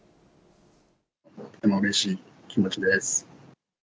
とてもうれしい気持ちです。